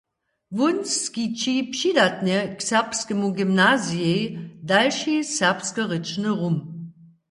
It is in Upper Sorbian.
Wón skići přidatnje k Serbskemu gymnazijej dalši serbskorěčny rum.